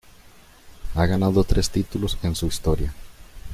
Ha ganado tres títulos en su historia.